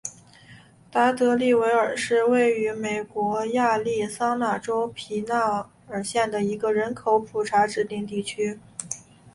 达德利维尔是位于美国亚利桑那州皮纳尔县的一个人口普查指定地区。